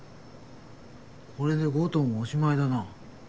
これでＧ１０もおしまいだな。